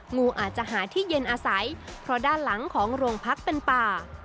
งูอาจจะหาที่เย็นอาศัยเพราะด้านหลังของโรงพักเป็นป่า